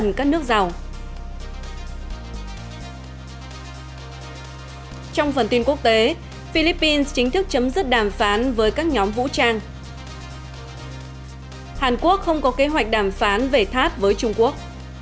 hàn quốc không có kế hoạch đàm phán về tháp với trung quốc